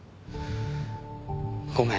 ごめん。